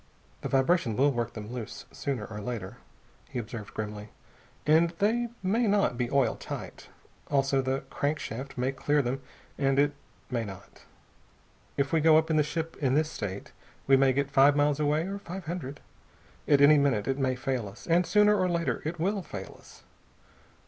"The vibration will work them loose, sooner or later," he observed grimly, "and they may not be oil tight. Also, the crankshaft may clear them, and it may not. If we go up in the ship in this state we may get five miles away, or five hundred. At any minute it may fail us, and sooner or later it will fail us.